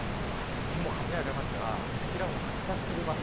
昨日も雷が出ましたが積乱雲が発達する場所